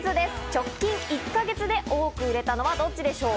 直近１か月で多く売れたのはどっちでしょう？